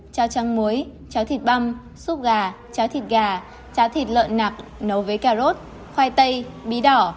cháo trắng muối cháo thịt băm súp gà cháo thịt gà cháo thịt lợn nạp nấu với cà rốt khoai tây bí đỏ